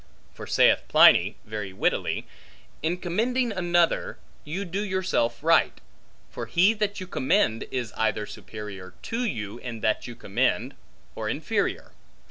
For saith Pliny, very wittily, In commending another, you do yourself right; for he that you commend, is either superior to you in that you commend, or inferior.